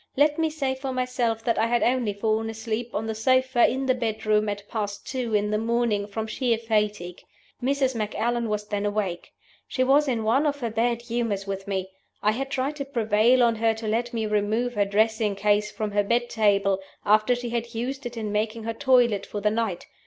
Let me say for myself that I had only fallen asleep on the sofa in the bedroom at past two in the morning from sheer fatigue. Mrs. Macallan was then awake. She was in one of her bad humors with me. I had tried to prevail on her to let me remove her dressing case from her bed table, after she had used it in making her toilet for the night.